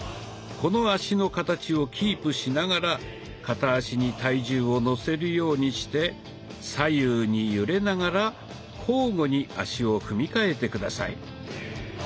この足の形をキープしながら片足に体重をのせるようにして左右に揺れながら交互に足を踏みかえて下さい。